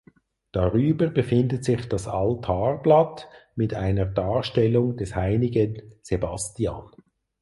Darüber befindet sich das Altarblatt mit einer Darstellung des heiligen Sebastian.